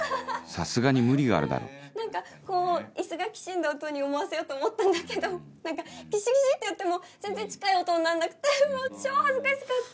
さすがに無理があるだろ何か椅子がきしんだ音に思わせようと思ったんだけど何かギシギシってやっても全然近い音にならなくってもう超恥ずかしかった！